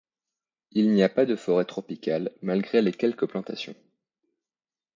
Il n'y a pas de forêt tropicale, malgré les quelques plantations.